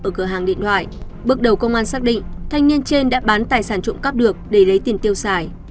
ở cửa hàng điện thoại bước đầu công an xác định thanh niên trên đã bán tài sản trộm cắp được để lấy tiền tiêu xài